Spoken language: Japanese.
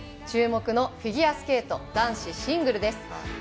注目のフィギュアスケート男子シングルです。